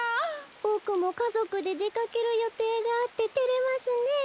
ボクもかぞくででかけるよていがあっててれますねえ。